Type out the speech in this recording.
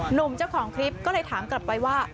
หนุ่มเจ้าของคลิปก็เลยถามกลับไปว่า